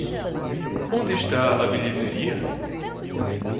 Onde está a bilheteria?